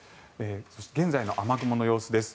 現在の雨雲の様子です。